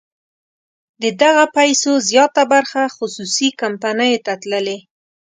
د دغه پیسو زیاته برخه خصوصي کمپنیو ته تللې.